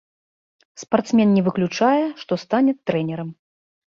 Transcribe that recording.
Спартсмен не выключае, што стане трэнерам.